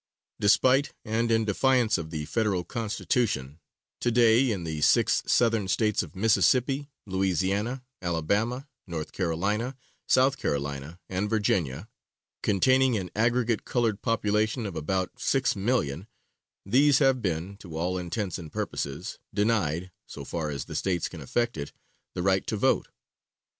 Despite and in defiance of the Federal Constitution, to day in the six Southern States of Mississippi, Louisiana, Alabama, North Carolina, South Carolina and Virginia, containing an aggregate colored population of about 6,000,000, these have been, to all intents and purposes, denied, so far as the States can effect it, the right to vote.